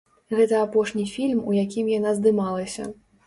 Гэта апошні фільм, у якім яна здымалася.